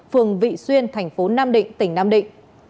phường vị xuyên tp nam định tỉnh nam định